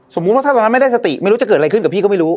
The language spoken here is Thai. ว่าถ้าตอนนั้นไม่ได้สติไม่รู้จะเกิดอะไรขึ้นกับพี่ก็ไม่รู้